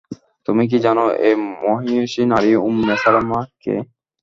তুমি কি জান এই মহীয়সী নারী উম্মে সালামা কে?